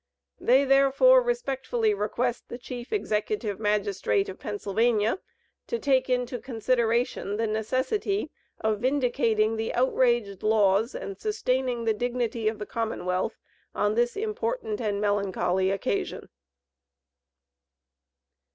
They, therefore, respectfully request the chief executive magistrate of Pennsylvania to take into consideration the necessity of vindicating the outraged laws, and sustaining the dignity of the Commonwealth on this important and melancholy occasion."